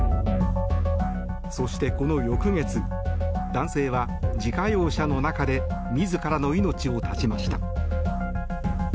そして、この翌月男性は自家用車の中で自らの命を絶ちました。